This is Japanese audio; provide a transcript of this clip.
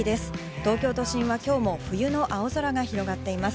東京都心は今日も冬の青空が広がっています。